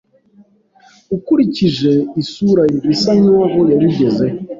Ukurikije isura ye, bisa nkaho yabigezeho.